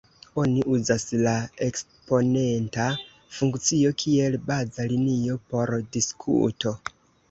Oni uzas la eksponenta funkcio kiel 'baza linio' por diskuto.